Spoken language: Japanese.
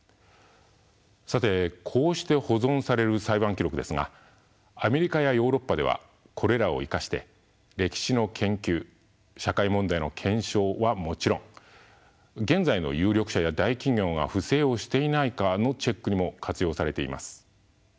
さてこうして保存される裁判記録ですがアメリカやヨーロッパではこれらを生かして歴史の研究社会問題の検証はもちろん現在の有力者や大企業が不正をしていないかのチェックにも活用されています。